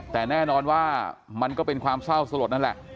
แต่แน่นอนว่ามันก็เป็นความเศร้าสลดนั่นแหละ